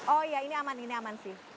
oh iya ini aman ini aman sih